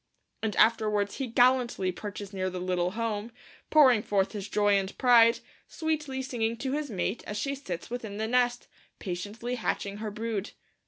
And afterwards he 'gallantly perches near the little home, pouring forth his joy and pride, sweetly singing to his mate as she sits within the nest, patiently hatching her brood.'